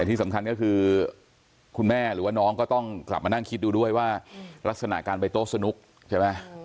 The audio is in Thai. แต่ที่สำคัญก็คือคุณแม่หรือว่าน้องก็ต้องกลับมานั่งคิดดูด้วยว่าลักษณะการไปโต๊ะสนุกใช่ไหม